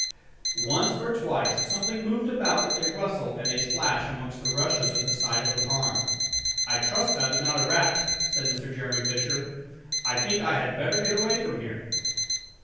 Once or twice something moved about with a rustle and a splash amongst the rushes at the side of the pond. "I trust that is not a rat," said Mr. Jeremy Fisher; "I think I had better get away from here."